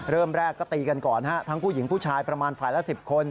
เริ่มแรกก็ตีกันก่อนนะฮะทั้งผู้หญิงผู้ชายประมาณฝ่ายละ๑๐คน